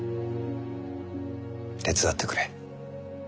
手伝ってくれ。